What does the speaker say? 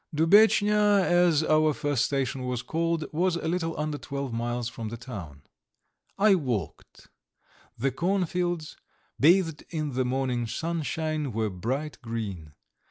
Dubetchnya, as our first station was called, was a little under twelve miles from the town. I walked. The cornfields, bathed in the morning sunshine, were bright green.